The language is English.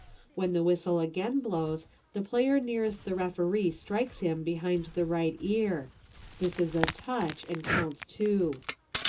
When the whistle again blows the player nearest the referee strikes him behind the right ear. This is a "Touch," and counts two.